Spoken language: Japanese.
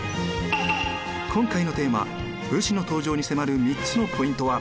今回のテーマ「武士の登場」に迫る３つのポイントは。